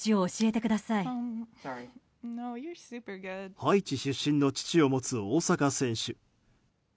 ハイチ出身の父を持つ大坂選手。